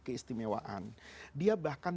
keistimewaan dia bahkan